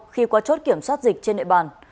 khi qua chốt kiểm soát dịch trên nệp bàn